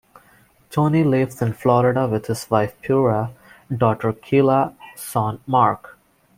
Tony lives in Florida with his wife Pura, daughter Keila, son Mark.